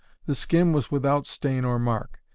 The skin was without stain or mark.